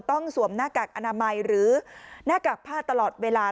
สวมหน้ากากอนามัยหรือหน้ากากผ้าตลอดเวลา